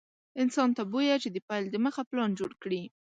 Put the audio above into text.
انسان ته بويه چې د پيل دمخه پلان جوړ کړي.